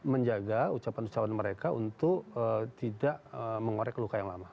menjaga ucapan ucapan mereka untuk tidak mengorek luka yang lama